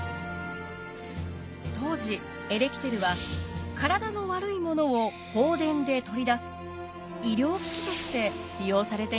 当時エレキテルは体の悪いものを放電で取り出す医療機器として利用されていました。